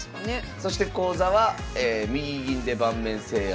そして講座は「右銀で盤面制圧」。